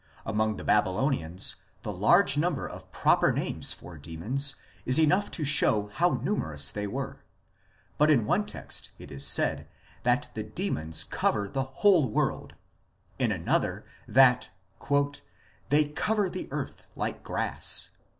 1 Among the Babylonians the large number of proper names for demons is enough to show how numerous they were ; but in one text it is said that the demons cover the whole world ; in another that " they cover the earth like grass."